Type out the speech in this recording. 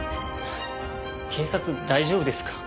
警察大丈夫ですか？